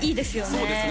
そうですね